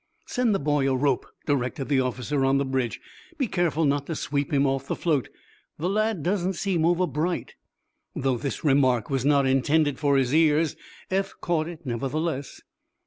"Send the boy a rope," directed the officer on the bridge. "Be careful not to sweep him off the float. The lad doesn't seem over bright." Though this remark was not intended for his ears, Eph caught it nevertheless.